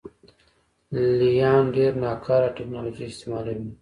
لې لیان ډېره ناکاره ټکنالوژي استعملوي